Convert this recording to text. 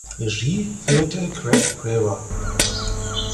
Regie führte Craig Brewer.